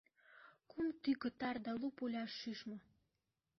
Кум тӱкӧ тар да лу пуля шӱшмӧ!